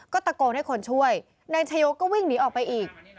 ก็ตะโกนให้คนช่วยนายชายโยก็วิ่งหนีออกไปอีก